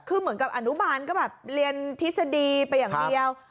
คือเหมือนกับอนุบาลก็แบบเรียนทฤษฎีไปอย่างเดียว